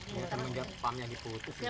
ini kan jepang yang diputus lima tahunan